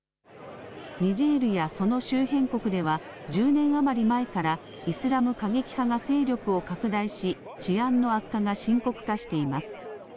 ニジェールやその周辺国では１０年余り前からイスラム過激派が勢力を拡大し治安の悪化が深刻化しています。